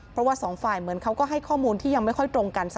เพราะเท่าที่เท่าที่ที่สองฝ่ายบ้าง